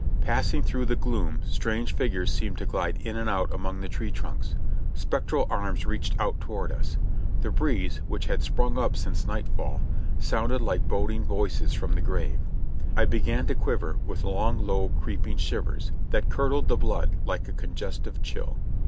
Passing through the gloom strange figures seemed to glide in and out among the tree trunks ; spectral arms reached out toward us ; the breeze, which had sprung up since night fall, sounded like boding voices from the grave. I began to quiver with long, low, creeping shivers, that curdled the blood like a congestive chill.